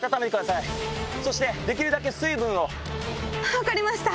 分かりました。